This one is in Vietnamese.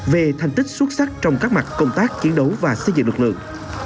về thành tích xuất sắc trong các mặt công tác chiến đấu và xây dựng lực lượng